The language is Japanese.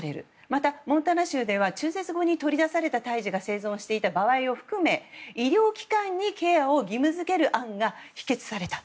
また、モンタナ州では中絶後に取り出された胎児が生存していた場合を含め医療機関にケアを義務付ける案が否決された。